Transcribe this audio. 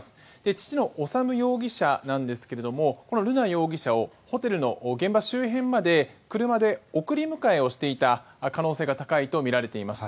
父の修容疑者なんですがこの瑠奈容疑者をホテルの現場周辺まで車で送り迎えをしていた可能性が高いとみられています。